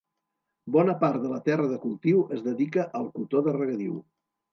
Bona part de la terra de cultiu es dedica al cotó de regadiu.